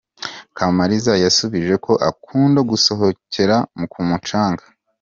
kamariza yasubije ko akunda gusohokera ku mucanga.